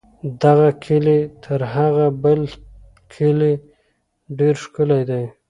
دغه کلی تر هغه بل کلي ډېر ښکلی دی.